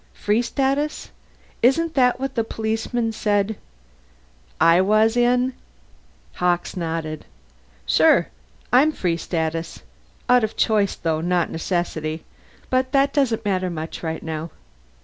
"Free Status? Isn't that what the policeman said " "I was in?" Hawkes nodded. "Sure, I'm Free Status. Out of choice, though, not necessity. But that doesn't matter much right now.